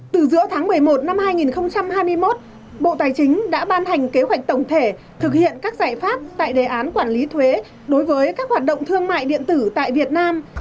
từ giữa tháng một mươi một năm hai nghìn hai mươi một bộ tài chính đã ban hành kế hoạch tổng thể thực hiện các giải pháp tại đề án quản lý thuế đối với các hoạt động thương mại điện tử tại việt nam